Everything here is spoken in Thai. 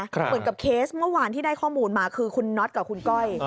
เหมือนกับเคสเมื่อวานที่ได้ข้อมูลมาคือคุณน็อตกับคุณก้อย